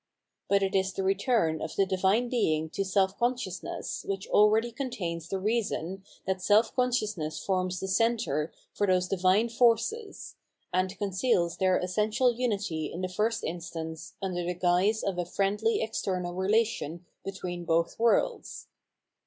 But it is the return of the divine Bemg to self consciousness which already contaios the reason that self consciousness forms the centre for those divine forces, and conceals their essential unity in the first instance imder the guise of a friendly external relation between both worlds.